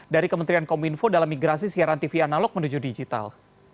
dari kementerian kominfo dalam migrasi siaran tv analog menuju digital